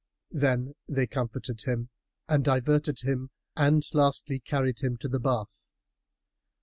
Then they comforted him and diverted him and lastly carried him to the bath.